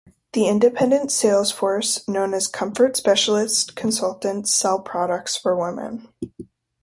The independent sales force, known as "Comfort Specialist Consultants", sells products for women.